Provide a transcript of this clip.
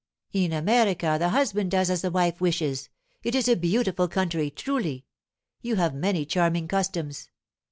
In America the husband does as the wife wishes. It is a beautiful country, truly. You have many charming customs.